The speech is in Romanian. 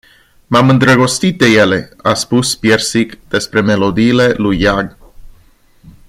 M-am îndrăgostit de ele, a spus Piersic despre melodiile lui iag.